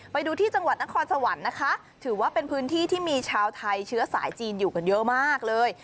ไปดูที่จังหวัดนครสวรรค์นะคะถือว่าเป็นพื้นที่ที่มีชาวไทยเชื้อสายจีนอยู่กันเยอะมากเลย